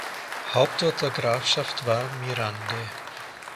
Hauptort der Grafschaft war Mirande.